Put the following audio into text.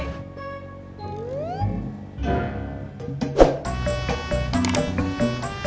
gak pernah dipel